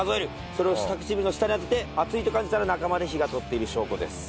それを下唇の下に当てて熱いと感じたら中まで火が通っている証拠です。